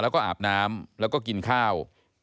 แล้วก็อาบน้ำแล้วก็กินข้าว